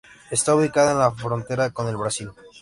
Está ubicada en la frontera con el Brasil.